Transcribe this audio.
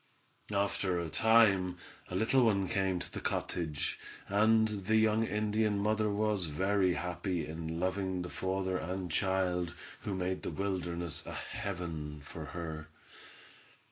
After a time a little one came to the cottage, and the young Indian mother was very happy in loving the father and child who made the wilderness a heaven for her.